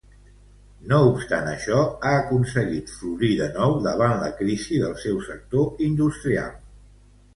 No obstant això, ha aconseguit florir de nou davant la crisi del seu sector industrial.